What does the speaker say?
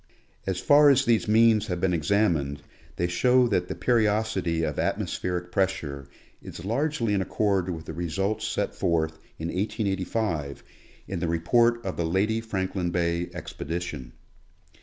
As far as these means have been examined they show that the periodicity of atmospheric pressure is largely in accord with the results set forth in 1885 in The Report of the Lady Franklin Bay Expedition.